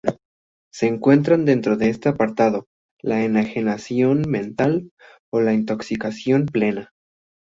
Se encuentran dentro de este apartado la enajenación mental o la intoxicación plena.